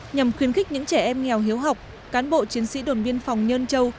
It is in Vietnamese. nhằm khuyến khích những trẻ em nghèo hiếu học cán bộ chiến sĩ đồn biên phòng nhân châu